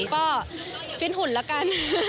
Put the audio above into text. ก็ฟิตหุ่นละกัน